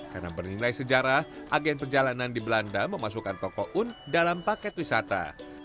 karena bernilai sejarah agen perjalanan di belanda memasukkan toko un dalam paket wisata